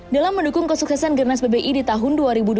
dalam mendukung kesuksesan gernas pbi di tahun dua ribu dua puluh